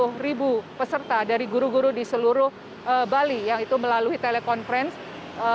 dan yang diikuti oleh kurang lebih sepuluh peserta dari guru guru di seluruh bali yang itu melalui teleconference